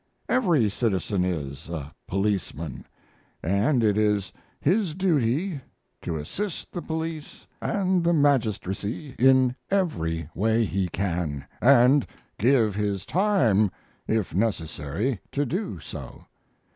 Every citizen is, a policeman, and it is his duty to assist the police and the magistracy in every way he can, and give his time, if necessary, to do so.